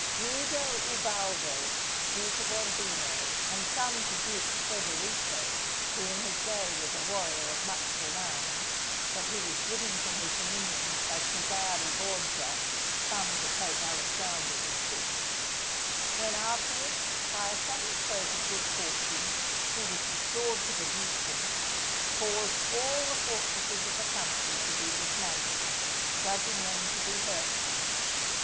Guido Ubaldo, duke of Urbino and son to Duke Federigo, who in his day was a warrior of much renown, but who was driven from his dominions by Cesare Borgia, son to Pope Alexander VI., when afterwards, by a sudden stroke of good fortune, he was restored to the dukedom caused all the fortresses of the country to be dismantled, judging them to be hurtful.